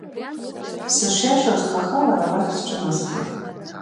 Сышиашаз хаха лара лахь сҿынасхеит.